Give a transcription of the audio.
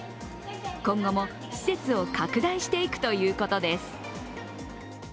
今後も施設を拡大していくということです。